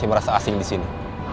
saya merasa asing disini